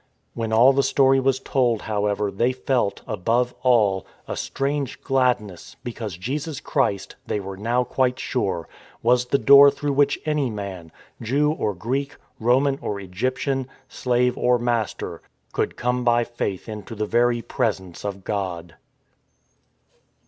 When all the story was told, however, they felt, above all, a strange gladness, because Jesus Christ — they were now quite sure — was the Door through whom any man, Jew or Greek, Roman or Egyptian, slave or master, could come by faith into the very presence of God.